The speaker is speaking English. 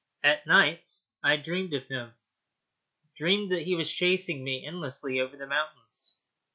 At nights I dreamed of him dreamed that he was chasing me endlessly over the mountains.